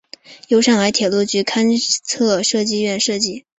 由上海铁路局勘测设计院设计。